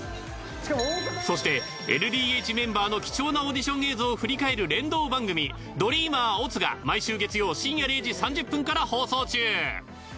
そしてＬＤＨメンバーの貴重なオーディション映像を振り返る連動番組『Ｄｒｅａｍｅｒ乙』が毎週月曜深夜０時３０分から放送中。